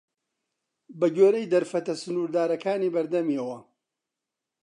بە گوێرەی دەرفەتە سنووردارەکانی بەردەمیەوە